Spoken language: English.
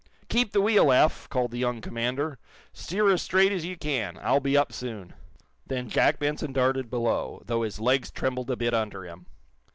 "Keep the wheel, Eph!" called the Young commander. "Steer as straight as you can. I'll be up soon." Then Jack Benson darted below, though his legs trembled a bit under him.